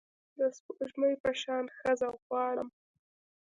د سپوږمۍ په شان ښځه غواړم